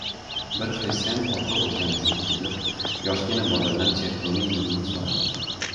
Bir xristian popi o‘lkamizga kelib, yoshgina boladan cherkovning yo‘lini so‘rabdi.